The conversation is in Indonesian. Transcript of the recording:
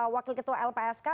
wakil ketua lpsk